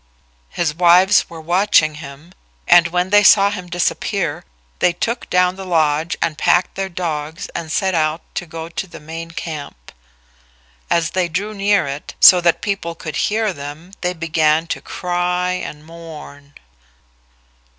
His wives were watching him, and when they saw him disappear, they took down the lodge and packed their dogs and set out to go to the main camp. As they drew near it, so that people could hear them, they began to cry and mourn.